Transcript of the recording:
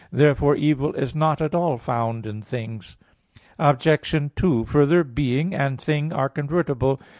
Therefore evil is not at all found in things. Obj. 2: Further, "being" and "thing" are convertible.